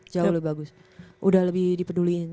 jauh lebih bagus udah lebih dipeduliin